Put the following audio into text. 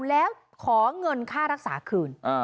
แล้วขอเงินค่ารักษาคืน